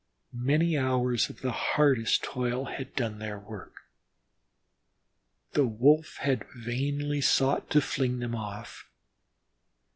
Many hours of hardest toil had done their work. The Wolf had vainly sought to fling them off.